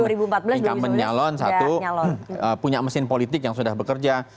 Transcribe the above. incumbent nyalon satu punya mesin politik yang sudah bekerja